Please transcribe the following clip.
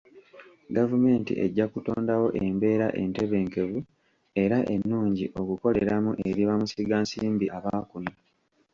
Gavumenti ejja kutondawo embeera entebenkevu era ennungi okukoleramu eri bamusigansimbi aba kuno.